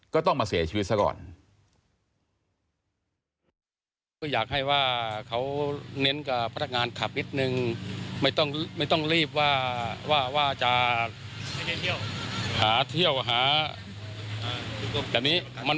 ก็ต้องมาเสียชีวิตซะก่อน